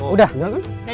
udah gak kan